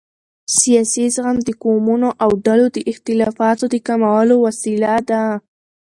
سیاسي زغم د قومونو او ډلو د اختلافاتو د کمولو وسیله ده